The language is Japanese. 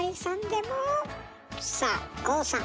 さあ郷さん